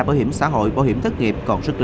bảo hiểm xã hội bảo hiểm thất nghiệp